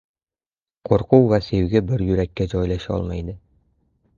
• Qo‘rquv va sevgi bir yurakka joylasholmaydi.